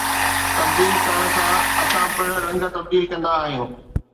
تبديل ڪرڻ سان، اسان پڻ رنگ تبديل ڪندا آهيون